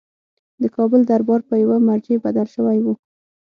د کابل دربار په یوه مرجع بدل شوی وو.